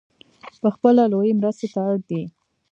پخپله لویې مرستې ته اړ دی .